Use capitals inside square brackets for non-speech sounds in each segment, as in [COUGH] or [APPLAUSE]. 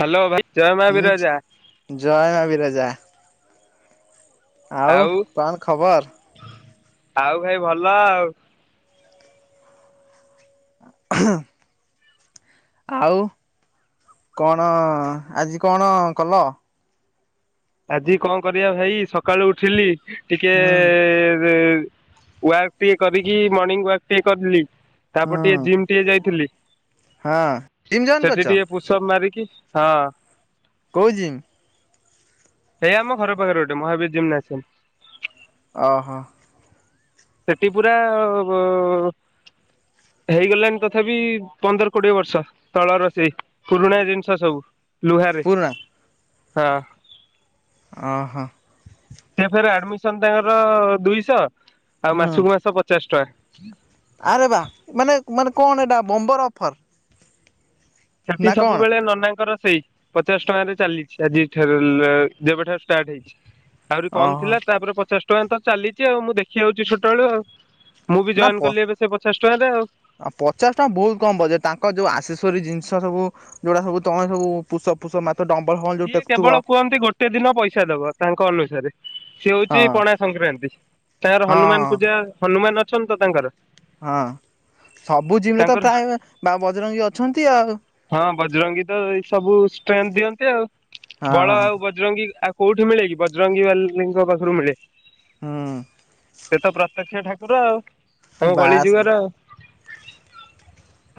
Hello ଭାଇ? ଜୟ ମା ହଁ ବିରଜା ଜୟମା ବିରଜା। ଆଉ କଣ ଖବର? ଆଉ ଭାଇ ଭଲ ଆଉ। ହଁ। ଆଉ କଣ ଆଜି କଣ କଲ? ଆଜି କଣ କରିବା ଭାଇ ସକାଳୁ ଉଠିଲି ଟିକେ ହୁଁ ୱାକ୍ ଟିକେ କରିକି ମର୍ଣିଂ ୱାକ୍ ଟିକେ କରିଥିଲି ତାପରେ ହୁଁ ଟିକେ ଜିମ୍ ଟିକେ ଯାଇଥିଲି। ହଁ କିମ ଜଏନ୍ କରଛ? ସବ ମାରିକି ହଁ। କହୁଛିି। ହେଇଆ ଆମ ଘର ପାଖରେ ଗୋଟେ ମହାବୀର ଯେମି ଅସନ୍। ଓହୋ। ସେଠି ପୁରା ହେଇଗଲଣି ତଥାପି ପନ୍ଦର କୋଡିଏ ବର୍ଷ। ତଳ ର ସେେଇ ପୁରୁଣାଆ ଜିନିଷ ସବୁ ଲୁହାରେ ପୁରୁଣା ହଁ। ଓହୋ। ସେ ଫର ଆଡମିସନ ତାଙ୍କର ଦୁଇଶହ ଆଉ ହୁଁ ମାସକୁ ମାସ ପଚାଶ ଟଙ୍କା। ଆରେ ବା ମାନେ ମାନେ କଣ ଏଇଟା ବୋମ୍ବର ଅଫର। ସେଠି ନା କଣ ସବୁବେଳେ ନନାଙ୍କର ସେଇ। ପଚାଶ ଟଙ୍କାରେ ଚାଲିଛି ଆଜି ଠ ଯେବେଠାରୁ ଷ୍ଟାର୍ଟ ହେଇଛି। ଆହୁରି କମ ଓହୋ ଥିଲା ତାପରେ ପଚାଶ ଟଙ୍କା ତ ଚାଲିଛି ଆଉ ମୁଁ ଦେଖି ଆଉଛି ଛଟବେଳୁ ଆଉ। ମୁଁ ବି ଜଏନ୍ କଲି ଏବେ ସେ ପଚାଶ ଟଙ୍କାାରେ ଆଉ। ଆ ପଚାଶ ଟଙ୍କା ବହୁତ କମବ ଯେ ତାଙ୍କ ଯୋଉ ଆଶିଷଵରୀ ଜିନିଷ ସବୁ ଯୋଉଟା ସବୁ ତମେ ସବୁ ପୁଷ ପୁଷ ମା ବଲ ହ ସିଏ କେବଳ କୁହନ୍ତି ଗୋଟେ ଦିନ ପଇସା ଦବ ତାଙ୍କ ଅନୁସାରେ। ସେି ହଉଛି ହଁ ପଣା ସଂକ୍ରାନ୍ତି ତାଙ୍କର ହଁ ହନୁମାନ ପୂଜା ହନୁମାନ ଅଛନ୍ତି ତ ତାଙ୍କର। ହଁ ସବୁ ଜିମରେ ତ ତାଙ୍କର ପ୍ରାୟ ବା ବଜରଙ୍ଗୀ ଅଛନ୍ତି ଆଉ। ହଁ ବଜରଙ୍ଗୀ ତ ଏଇ ସବୁ ଷ୍ଟ୍ରେନ୍ଥ ଦିଅନ୍ତି ଆଉ। ବଳ ହଁ ଆଉ ବଜରଙ୍ଗୀ ଆଉ କୋଉଠି ମିଳେ କି ବଜରଙ୍ଗୀ ବାଲିଙ୍କ ପାଖରୁ ମିଳେ। ହୁଁ ସେ ତ ପ୍ରତ୍ୟକ୍ଷ ଠାକୁର ଆଉ ତାଙ୍କ କଳି ବାସ୍ ଯୁଗର ଆଉ। [INAUDIBLE]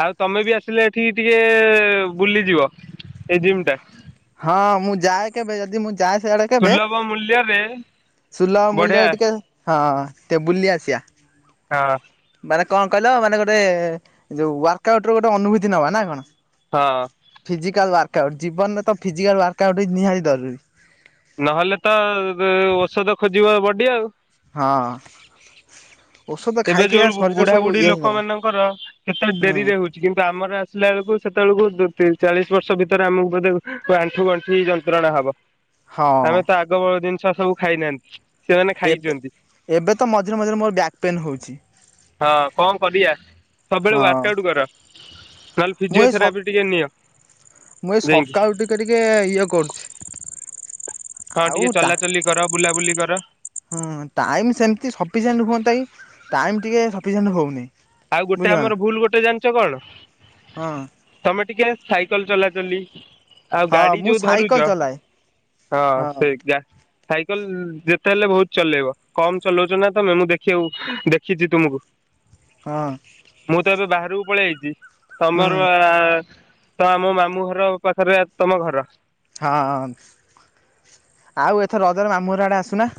ଆଉ ତମେ ବି ଆସିଲେ ଏଠି ଟିକେ ବୁଲିଯିବ ଏଇ ଜିମ୍ ଟା। ହଁ ମୁଁ ଯାଏ କେବେ ଯଦି ମୁଁ ଯାଏ ସେଆଡେ କେବେ ସୁଲଭ ମୂଲ୍ୟରେ ସୁଲ ମଲରେ ବଢିଆ ଟିକେ ହଁ ଟିକେ ବୁଲି ଆସିବା। ହଁ। ମାନେ କଣ କହିଲ ମାନେ ଗୋଟେ ଯୋଉ ୱାର୍କ ଆଉଟ ର ଗୋଟେ ଅନୁଭୂତି ନବା ନା କଣ? ହଁ। ଫିଜାଲ ୱାର୍କ ଆଉଟ ଜୀବନରେ ଫିଜାଲ୍ ୱାର୍କ ଆଉଟ ହି ନିହାତି ଜରୁରୀ। ନହେଲେ ତ ଔଷଧ ଖୋଜିବ ବଡ଼ି ଆଉ। ହଁ। ଔଷଧ ଖାଇ ଏେବେ ଖାଇ ଯୋଉ ଶରୀର ସବୁ ବୁଢାବୁଢୀ ଇଏ ଲୋକ ହେଇଗଲା ମାନଙ୍କର କେତେ ହୁଁ ଡେରିରେ ହଉ କିନ୍ତୁ ଆମର ଆସିଲା ବେଳକୁ ସେତେବେଳକୁ ଚାଳିଶ ବର୍ଷ ଭିତରେ ଆମକୁ ବୋଧେ ଆଣ୍ଠୁ ଗଣ୍ଠି ଯ ତ୍ରଣା ହବ ହଁ ଆମେ ତ ଆଗ ଜିନିଷ ସବୁ ଖାଇନାହାନ୍ତି ସେମାନେ ଏବେ ଖାଇଚନ୍ତି। ଏବେ ତ ମଝିରେ ମଝିରେ ମୋର ବ୍ୟାକ୍ ପେନ୍ ହେଉଚି। ହଁ କଣ କରିବା ସବୁବେଳେ ହଁ ୱାର୍କ ଆଉଟ କର ନ ମୁଁ ଏଇ ସ ଫିଜିଓଥେରାପି ଟିକେ ନିଅ ଯାଇକି। ମତେ ଟିକେ ଇଏ କରୁଚି। ହଁ ଟିକେ ଚଲାଚଲି କର ବୁଲାବୁଲି କର। ହୁଁ ଟାଇମ୍ ସେମିତି ସଫିସିଏଣ୍ଟ ହୁଅନ୍ତା ଟାଇମ୍ ଟିକେ ସଫିସିଣ୍ଟ ହଉନି। ଆଉ ଗୋଟେ ବୁଝିଲ ନା ଆମର ଭୁଲ ଗୋଟେ ଜାଣିଚ କଣ? ହଁ। ତମେ ଟିକେ ସାଇକେଲ ଚଲାଚଲି। ଆଉ ହଁ ଗାଡି ମୁଁ ଯୋଉ ସାଇକେଲ ଧରୁଚ ଚଲାଏ ହଁ ସେ ଗା ସାଇକେଲ ଯେତେ ହେଲେ ବହୁତ ଚଲେଇବ କମ ଚଲଉଚ ନା ତମେ ମୁଁ ଦେଖି ଉ ଦେଖିଚୁ ତୁମକୁ। ହଁ। ମୁଁ ତ ଏବେ ବାହାରକୁ ପଳେଇଆଇଚି ହୁଁ ତମର ଆ ତ ଆମ ମାମୁଁ ଘର ପାଖରେ ତମ ଘର। ହଁ ଆଉ ଏଥର ରଜରେ ମାମୁଁ ଘର ଆଡ଼େ ଆସୁନା?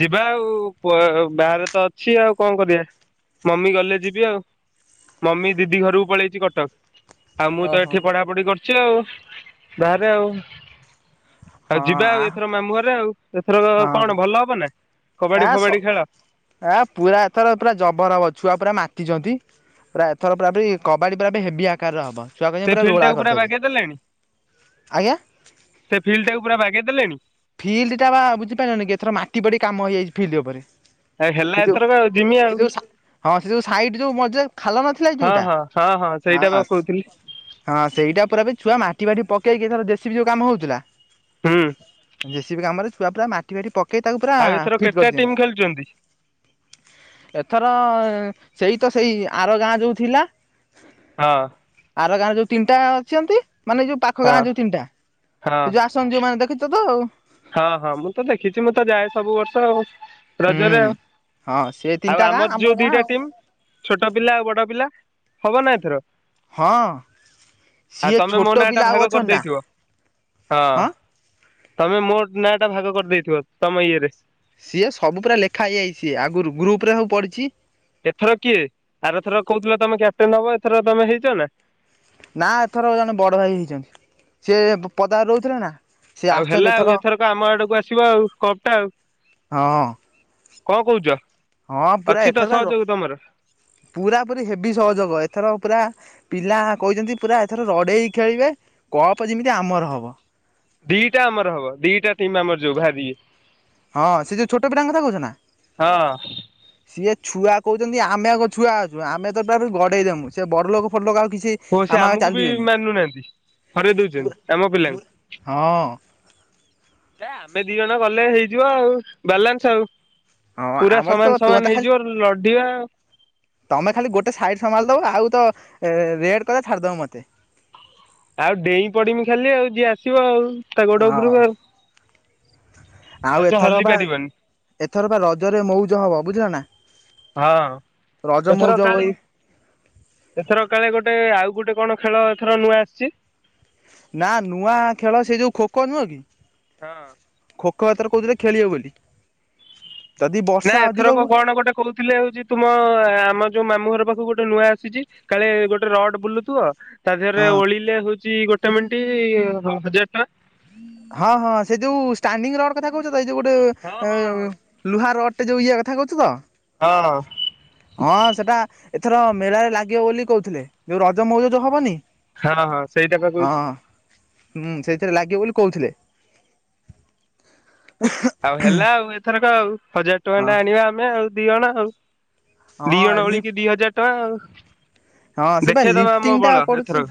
ଯିବା ଆଉ ପ ବାହାରେ ତ ଅଛି ଆଉ କଣ କରିବା ମମି ଗଲେ ଯିବି ଆଉ। ମମି ଦିଦି ଘରକୁ ପଳେଇଚି କଟକ। ଆଉ ମୁଁ ତ ଓହୋ ଏଠି ପଢାପଢି କରୁଚି ଆଉ ବାହାରେ ଆଉ। ହଁ ଆଉ ଯିବା ଆ ଆଉ ଏଥର ମାମୁଁ ଘରେ ଆଉ ଏଥର ହଁ କଣ ଭଲ ହବ ନା? କବାଡି ଆ ସ ଫବାଡି ଖେଳ ଆ ପୁରା ଏଥର ପୁରା ଜବର ହବ ଛୁଆ ପୁରା ମାତିଚନ୍ତି। ପୁରା ଏଥର ପୁରା ପୁରୀ କବାଡି ପୁରା ହେବି ଆକାରରେ ହବ। ଛୁଆ ସେ କହିଚନ୍ତି ପୁରା ଫିଲ୍ଡ ରୋଳା ଟାକୁ କରିଦେବେ ବାଗେଇ ଦେଲେଣି ଆଜ୍ଞା। ସେ ଫିଲ୍ଡ ଟାକୁ ପୁର ବାଗେଇ ଦେଲେଣି? ଫିଲ୍ଡ ଟା ପା ବୁଝିପାରିଲେନି କି ଏଥର ମାଟି ଫାଟି କାମ ହେଇଯାଇଚି ଫିଲ୍ଡ ଉପରେ। ଆଉ ହେଲା ସେ ଯୋଉ ଏଥରକ ଆଉ ଜିମି ଆଉ ସେ ସା ହଁ ସେ ଯୋଉ ସାଇଡି ଯୋଉ ମଜି ଖାଲ ହଁ ହଁ ହଁ ହଁ ନ ସେଇଟା ବା କହୁଥିଲି [UNINTELLIGIBLE] ହଁ ସେଇଟା ପୁରା ଛୁଆ ମାଟି ଫାଟି ପକେଇକି ଏଥର ଜେଶିପି ଯୋଉ କାମ ହଉଥିଲା। ହଁ। ଜେସିପି କାମରେ ଛୁଆ ପୁରା ମାଟି ଫାଟି ପକେଇ ତାକୁ ପୁରା ଆଉ ଏଥର ଫିଟ କେତେଟା ଟିମ୍ କରିଚନ୍ତି। ଖେଳୁଛନ୍ତି? ଏଥର ସେଇତ ସେଇ ଆର ଗାଁ ଯୋଉ ଥିଲା। ହଁ। ଆର ଗାଁରେ ଯୋଉ ତିନିଟା ଅଚନ୍ତି ମାନେ ଯୋଉ ପାଖ ଗାଁ ହଁ ଯୋଉ ତିନିଟା ହଁ ଯୋଉ ଆ ଆସନ୍ତି ଯୋଉ ମାନେ ଦେଖିଚତ। ହଁ ହଁ ମୁଁ ତ ଦେଖିଚୁ ମୁଁ ତ ଯାଏ ସବୁ ବର୍ଷ ଆଉ। ରଜରେ ହୁଁ। ଆଉ ହଁ ସେ ତିନିଟା ଆଉ ଗାଁ ଆମର ଆମ ଯୋଉ ଗାଁ ଦିଟା ଆଉ ଟିମ୍। ଛୋଟ ପିଲା ଆଉ ବଡ ପିଲା ହବ ନା ଏଥର? ହଁ ଆଉ ସିଏ ତମେ ଛୋଟ ମୋ ନାଁ ପିଲା ଟା ଆଉ ଭାଗ ଅଛନ୍ତି ନା କରିଦେଇଥିବ ହଁ। ତମେ ମୋ ନାଁ ଟା ଭାଗ କରିଦେଇଥିବ ତମ ଇଏରେ। ସିଏ ସବୁ ପୁରା ଲେଖା ହେଇଯାଇ ସି ଆଗରୁ ଗ୍ରୁପ ରେ ସବୁ ପଢିଛି। ଏଥର କିଏ ଆର ଏଥର କହୁଥିଲେ ତମେ କ୍ୟାପଟେନ ହବ ଏଥର ତମେ ହେଇଛ ନା। ନା ଏଥର ଜଣେ ବଡ଼ ଭାଇ ହେଇଛନ୍ତି ସି ପଦାରେ ରହୁଥିଲେ ନା। ସିଏ ଆଉ ଆସିଛନ୍ତି ହେଲା ଏଥର ଆଉ ଏଥରକ ଆମ ଆଡକୁ ଆସିବ ଆଉ କପ ଟା ଆଉ। ହଁ କଣ କହୁଛ? ହଁ ପୁରା ଅଛି ତ ଏଥର ସହଯୋଗ ତମର ପୁରା ପୁର ହେଭି ସହଯୋଗ ଏଥର ପୁରା। ପିଲା କଛନ୍ତି ପୁରା ଏଥର ରଡେଇ ଖେଳିବେ କପ୍ ଯେମିତି ଆମର ହବ। ଦିଟା ଆମର ହବ ଦିଟା ଟିମ୍ ଆମର ଯୋଉ ଭ ଦି ହଁ ସେ ଯୋଉ ଛୋଟ ପିଲାଙ୍କ କଥା କହୁଛ ନା। ହଁ ସିଏ ଛୁଆ କହୁଛନ୍ତି ଆମେ ଆ ଛୁଆ ଅଛୁ ଆମେ ତ ପୁରରାପ ଗଡ଼େଇ ଦେବୁ ସେ ବରଲୋକ ଫଟ ଲୋକ ଆଉ କିଛି। ହ ସେ ଆମ ଆଉ ଆମକୁ ବି ଚାଲିବେନି ମାନୁନାହାନ୍ତି ହରେଇ ଦଉଛନ୍ତି ଆମ ପିଲାଙ୍କୁ ହଁ। ଏ ଆମେ ଦି ଜଣ ଗଲେ ହେଇଯିବ ଆଉ ବାଲାନ୍ସ ଆଉ। ହଁ ପୁରା ଆମର ତ ସମାନ ତୁମେ ତ ସମାନ ଖାଲି ହେଇଯିବ ଲଢିବା। ତମେ ଖାଲି ଗୋଟେ ସାଇଡସମ୍ଭାଳି ଦବ ଆଉ ତ ରେଡ କଲେ ଛାଡିଦବ ମ ଠିକ। ଆଉ ଡେଇଁ ପଡମି ଖାଲି ଆଉ ଯିଏ ଆସିବ ଆଉ। ତା ଗୋଡ ହଁ ଉପରକୁ ଆଉ ଆଉ ଆଛା ଏଥର ହଲି ବା ପାରିବନି। ଏଥର ବା ରଜରେ ମଉଜ ହବ ବୁଝିଲ ନା। ହଁ ରଜ ଏଥର ମଉଜ କାଳେ। ହୋଇ ଏଥର କାଳେ ଗୋଟେ ଆଉ ଗୋଟେ କଣ ଖେଳ ଏଥର ନୂଆ ଆସିଛି? ନା ନୂଆ ଖେଳ ସେ ଯୋଉ ଖୋଖୋ ନୁହଁ କି? ହଁ। ଖୋ ଖୋ ଏଥର କହୁଥିଲେ ଖେଳିବେ ବୋଲି। ଯଦି ନା ବର୍ଷା ଅଧିକ ଏଥରକ ହୁଏ କଣ ଗୋଟେ କହୁଥିଲେ ହଉଛି ତୁମ ଆମ ଯୋଉ ମାମୁଁ ଘର ପାଖକୁ ଗୋଟେ ନୂଆ ଆସିଛି। କାଳେ ଗୋଟେ ରଡ଼ ବୁଲୁଥୁବ ଅ। ତା ଦେହରେ ହଁ ଓଳିଲେ ହଉଛି ଗୋଟେ ମିଣ୍ଟି ହଜାରେ ଟଙ୍କା। ହଁ ହଁ ସେ ଯୋଉ ଷ୍ଟାଣ୍ଡି ରଡ କଥା କହୁଛ ତ ଏଇ ଯୋଉ ହଁ ଗୋଟେ। ହଁ ଲୁହା ରଡ଼ ଟେ ଯୋଉ ଇଏ କଥା କହୁଚୁତ। ହଁ ହଁ। ହଁ ସେଟା ଏଥର ମେଳାରେ ଲାଗିବ ବୋଲି କହୁଥିଲେ ଯୋଉ ରଜ ମଉଜଉ ହବନି। ହଁ ହଁ ସେଇଟା ପା ହଁ କହୁଚି। ହୁଁ ସେଇଥିରେ ଲାଗିବ ବୋଲି କହୁଥିଲେ। ଆଉ ହେଲା ଆଉ ଏଥରକ ଆଉ ହଜାର ଟଙ୍କା ହଁ ଟା ଆଣିବା ଆମେ ଆଉ ଦି ଜଣ ଆଉ। ଦି ହଁ ଅଣା ଲିଫ୍ଟ ଭଳିକି ଦି ହଜାର ଟଙ୍କା ଆଉ। ହଁ ସେ ବା ଦେଖେଇଦବା ଆମ ଲିଫଟିଙ୍ଗ ବଳ ଟା ପଡୁଛି। ଏଥରକ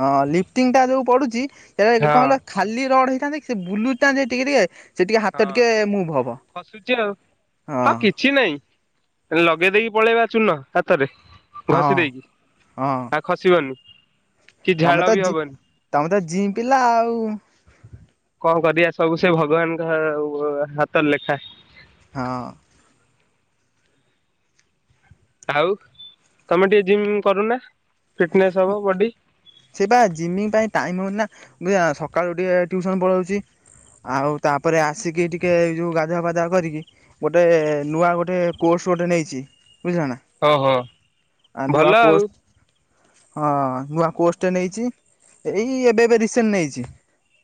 ହଁ ଲିଫ୍ଟିଙ୍ଗ ଟା ଯୋଉ ପଡ଼ୁଚି ହେରା କଣ ହଁ କହିଲ। ଖାଲି ରଡ ହେଇଥାନ୍ତି ସେ ବୁଲୁଥାନ୍ତି ଟିକେ ଟିକେ। ସେ ଟିକେ ହାତ ହଁ। ଟିକେ ମୁଭ୍ ହବ ଖସୁଛି ଆଉ ହଁ। କିଛି ନାଇଁ ଲଗେଇ ଦେଇକି ପଳେଇବା ଚୁନ ହାତରେଲ। ହଁ ଘଷି ଦେଇ ହଁ ଆଉ ଖସିବନି। କି ତମେ ଝାଳ ତ ବି ହବନି। ଜିଇଁ ପିଲା ଆଉ। କଣ କରିବା ସବୁ ସେ ଭଗବାନଙ୍କ ହାତର ଲେଖା। ହଁ। ଆଉ ତମେ ଟିକେ ଜିମ୍ କରୁନା ଫିଟନେସ୍ ହବ ବଡ଼ି। ସେଇ ବା ଜିମି ପାଇଁ ଟାଇମ ହଉନି ନା ବୁଝିଲ ନା ସକାଳୁ ଉଠି ଟିଉସନ ପଳଉଚି। ଆଉ ତାପରେ ଆସିକି ଟିକେ ଏଇ ଯୋଉ ଗାଧୁଆ ପାଧୁଆ କରିକି। ଗୋଟେ ନୂଆ ଗୋଟେ କୋର୍ସ ଗୋଟେ ନେଇଛି ବୁଝିଲ ନା। ଓହୋ ଆଉ ନୂଆ ଭଲ ଆଉ। କୋର୍ସ ହଁ ନୂଆ କୋଷ୍ଟ ନେଇଛି ଏଇ ଏବେ ଏବେ ରିସେଣ୍ଟ ନେଇଛି।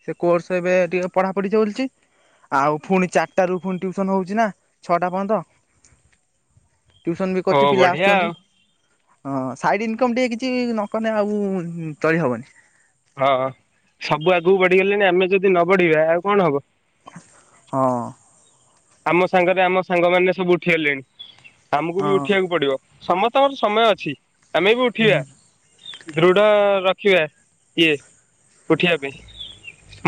ସେ କୋର୍ସ ଏବେ ଟିକିଏ ପଢ଼ାପଢି ଚାଲୁଛି। ଆଉ ପୁଣି ଚାରିଟା ରୁ ପୁଣି ଟ୍ୟୁସନ ହଉଛି ନା ଛଅଟା ପଯ୍ୟନ୍ତ। ଟିଉସନ ବି ଓ କରୁଚି ପିଲା ବଢିଆ ଆଉ ଆସୁଛନ୍ତି ହଁ ସାଇଡ ଇଂନକମ ଟିକେ କି କିତି ନକଲେ ଆଉ ଚଳି ହବନି। ହଁ ସବୁ ଆଗକୁ ବଢିଗଲେଣି ଆମେ ଯଦି ନ ବଢିବା ଆଉ କଣ ହବ। ହଁ। ଆମ ସାଙ୍ଗରେ ଆମ ସାଙ୍ଗମାନେ ସବୁ ଉଠିଗଲେଣି ଆମକୁ ବି ହଁ। ଉଠିବାକୁ ପଡିବ। ସମସ୍ତଙ୍କର ସମୟ ଅଛି ଆମେ ବି ଉଠିବା। ହୁଁ ଦୃଢ ରଖିବା କିଏ ଉଠିବା ପାଇଁ।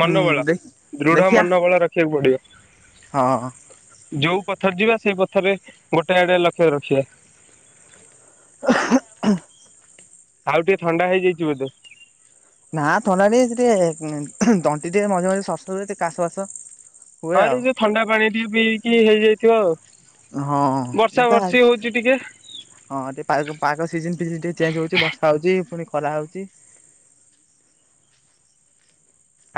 ହୁଁ ମନୋବଳ ଦେଖ ଦୃଢ ମନୋବଳ ରଖିବାକୁ ପଡିବ। ହଁଅ। ଯୋଉ ପଥରେ ଯିବା ସେଇ ପଥରେ ଗୋଟେ ଆଡେ ଲକ୍ଷ୍ୟ ରଖିବା। [UNINTELLIGIBLE] ଆଉ ଟିକେ ଥଣ୍ଡା ହେଇଯାଇଛି ବୋଧେ। ନା ଥଣ୍ଡା ଟିକେ ହେଇଛି ଟିକେ ତଣ୍ଟି ଟିକେ ମଝିରେ ମଝିରେ ସର ସର ହଉଛି କାଶ ଫାସ। ହଁ ଏ ଯୋଉ ଥଣ୍ଡା ପାଣି ପିଇ ପିଇକି ହେଇଯାଇଥିବ ଆଉ। ହଁ ବର୍ଷା ଏଇଟା ବର୍ଷି ହଉଛି ଟିକେ। ହଁ ଟିକେ ପା ପାଗ ସିଜନ ଫିଜିନ ଟିକେ ଚେଞ୍ଜ ହଉଛି ବର୍ଷା ହଉଛି ପୁଣି ଖରା ହଉଛି।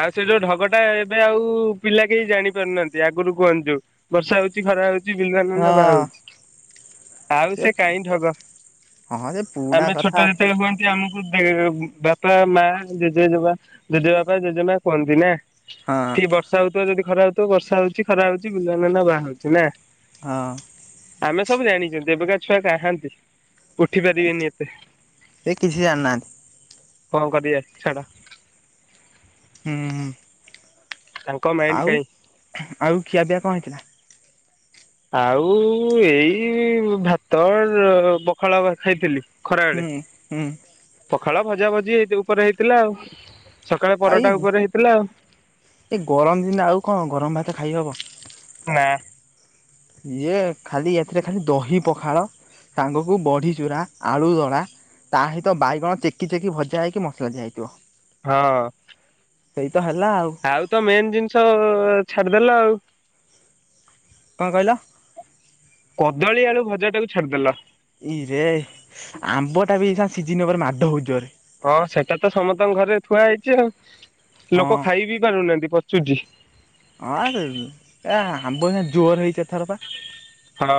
ଆଉ ସେ ଯୋଉ ଢଗଟା ଏବେ ଆଉ ପିଲା କେହି ଜାଣି ପାରୁନାହାନ୍ତି ଆଗରୁ କୁହନ୍ତି ଯୋଉ। ବର୍ଷା ହଉଛି ଖରା ହଉଛି ବିଲୁଆ ନନା ବାହା ହଁ ହଉଛି। ଆଉ ସେ କାହିଁ ଢଗ ହଁ ସେ ପୁରୁଣା ଆମେ ଛୋଟ କଥା ଯେତେବେଳେ ହୁ ଆମକୁ ଦେ ବାପା ମା ଜେଜେଜେବା ଜେଜେବାପା ଜେଜେମା କୁହନ୍ତି ନା। ହଁ ଠିକ ବର୍ଷା ହଉଥିବ ଯଦି ଖରା ହଉଥିବ ବର୍ଷା ହଉଛି ଖରା ହଉଛି ବିଲୁଆ ନନା ବାହା ହଉଛି ନା। ହଁ। ଆମେ ସବୁ ଜାଣିଛନ୍ତି ଏବେକା ଛୁଆ କାହାନ୍ତି। ଉଠି ପାରିବେନି ଏତେ ସେ କିଛି ଜାଣିନାହାନ୍ତି କଣ କରିବା ଛାଡ। ହୁଁ। ତାଙ୍କ ମାଇଣ୍ଡ ଆଉ କାଇଁ। ଆଉ ଖିଆପିଆ କଣ ହେଇଥିଲା? ଆଉ ଏଇ ଭାତ ପଖାଳ ଭାତ ଖାଇଥିଲି। ହୁଁ ଖରାବେଳେ ହୁଁ ପଖାଳ ଭଜା ଭଜି ଉପରେ ହେଇଥିଲା ଆଉ। ସକାଳେ ଆଉ ପରଟା ଉପରେ ହେଇଥିଲା ଆଉ। ଏଇ ଗରମ ଦିନେ ଆଉ କଣ ଗରମ ଭାତ ଖାଇହବ। ନାଁ। ଇଏ ଖାଲି ଏଥିରେ ଖାଲି ଦହି ପଖାଳ। ସାଙ୍ଗକୁ ବଢ଼ି ଚୁରା ଆଳୁ ଦଳା। ତା ସହିତ ବାଇଗଣ ଚେକି ଚେକି ଭଜା ହେଇକି ମସଲା ଦିଆ ହେଇଥିବ। ହଁ। ସେଇ ତ ହେଲା ଆଉ। ଆଉ ତ ମେନ୍ ଜିନିଷ ଛାଡିଦେଲ ଆଉ। କଣ କହିଲ? କଦଳୀ ଆଳୁ ଭଜା ଟାକୁ ଛାଡିଦେଲ। ଇରେ ଆମ୍ବ ଟା ବି ସିଝିନ ଉଏ ମାଡ଼ ହଉଛି ବୋଧେ। ହଁ ସେଟା ତ ସମସ୍ତଙ୍କ ଘରେ ଥୁଆ ହେଇଛି ଆଉ ହଁ ଲୋକ ଖାଇ ବିି ପାରୁନାହାଁନ୍ତି ପଚୁଛି ହଁ ହୋଉ ଆମ୍ବ ଜୋର ହେଇଛ ଏଥର ପା। ହଁ।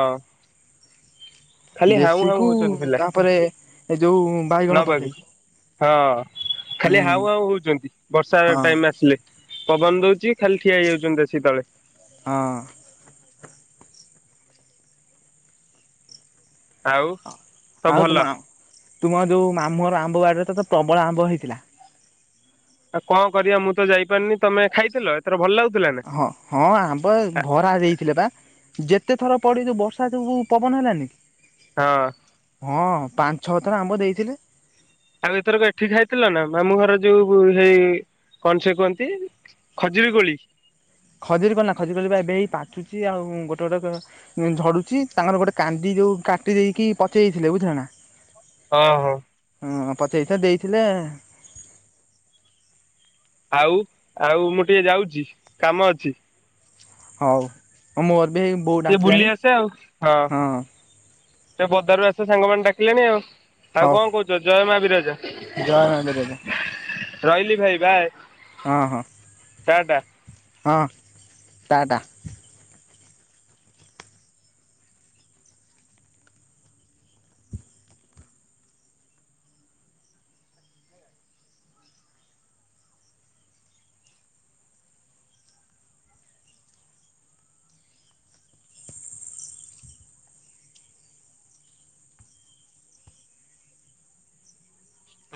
ଖାଲି ହାଉଁ ଦେଶୀ ହାଉଁ କୁ ହଉଛନ୍ତି ପିଲା ତାପରେ ଏ ଯୋଉ ବାଇଗଣ ନବାକୁ ପଲେଇ ହଁ ହୁଁ ଖାଲି ହାଉ ହାଉ ହଉଛନ୍ତି ବର୍ଷା ହଁ ଟାଇମ୍ ଆସିଲେ। ପବନ ଦଉଛି ଖାଲି ଠିଆ ହେଇଯାଉଛନ୍ତି [UNINTELLIGIBLE] ତଳେ। ହଁ। ଆଉ ସବୁ ଆଉ ଭଲ ତ ତୁମ ଯୋଉ ମାମୁଁର ଆମ୍ବ ବାଡିରେ ତ ପ୍ରବଳ ଆମ୍ବ ହେଇଥିଲା? ଆଉ କଣ କରିବା ମୁଁ ତ ଯାଇପାରିନି ତମେ ଖାଇଥିଲ ଏଥର ଭଲ ଲାଗୁଥିଲା? ନା? ହଁ ହଁ ଆମ୍ବ ଭରା ଦେଇଥିଲେ ବା ଯେତେ ଥର ପଡି ଯିବ ବର୍ଷା ଯୋଗୁ ପବନ ହେଲାନି? ହଁ। ହଁ ପାଞ୍ଚ ଛଅ ଥର ଆମ୍ବ ଦେଇଥିଲେ। ଆଉ ଏଥର ଏଠି ଖାଇଥିଲ ନା ମାମୁଁ ଘର ଯୋଉ ହେଇ କଣ ସେ କୁହନ୍ତି? ଖଜୁରୀ କୋଳି ଖଜୁରୀ କୋଳି ଖଜିର କୋଳି ଏବେ ହେଇ ପାଚୁଛି ଆଉ ଗୋଟେ ଗୋଟେ ଝଡୁଛି ତାଙ୍କର ଗୋଟେ କାନ୍ଦି ଯୋଉ କାଟି ଦେଇେଇକି ପଚେଇ ଦେଇଥିଲେ ବୁଝିଲ ନା? ହଁ ହଁ। ହଁ ପଚେଇ ତ ଦେଇଥିଲେ ଆଉ ଆଉ ମୁଁ ଟିକେ ଯାଉଛି କାମ ଅଛି? ହଉ ମୋର ବି ହେଇ ବୋଉ ଟିକେ ବୁଲି ଡାକିଲାଣି ଆସେ ଆଉ ହଁ। ସେ ବଦାରୁ ଆସିଥିବା ସାଙ୍ଗମାନେ ଡାକିଲେଣି ଆଉ ଆଉ ହଉ କଣ କହୁଚ ଜୟ ମା ବିିରଜା? ଜୟ ମା ବିିରଜା। ରହିଲି ଭାଇ ବାଏ? ହଁ ହଁ ଟା ଟା ହଁ ଟା ଟା।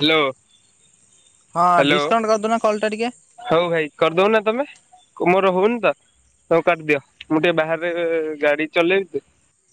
ହାଲୋ। ହଁ ଡିସକାଉଣ୍ଟ କରଦୋଉନ କଲ୍ ଟା ଟିକେ। ହୋଉ ଭାଇ କରଦୋଉନ ତମେ। କୁ ମୋର ହୋଉନି ତ ତମେ କରଦିଅ ମୁଁ ଟିକେ ବାହାରେରେ ଗାଡି ଚଲେଇବି